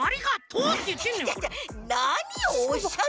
なにをおっしゃる！？